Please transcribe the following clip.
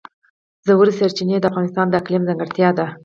ژورې سرچینې د افغانستان د اقلیم ځانګړتیا ده.